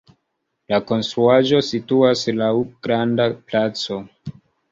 La konstruaĵo situas laŭ granda placo.